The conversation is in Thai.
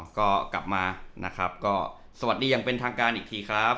ก็กลับมาสวัสดีอย่างเป็นทางการอีกทีครับ